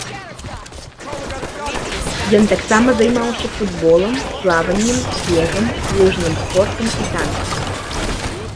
Ён таксама займаўся футболам, плаваннем, бегам, лыжным спортам і танцамі.